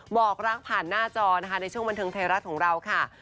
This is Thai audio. จะติดผ่านหน้าจอในช่วงบันเทิง๑๖๐๐ของเราค่ะ